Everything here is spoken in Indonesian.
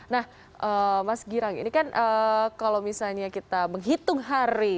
nah mas girang ini kan kalau misalnya kita menghitung hari